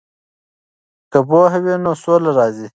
که پوهه وي نو سوله راځي.